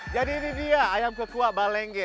jadi ini dia ayam kukuak balenge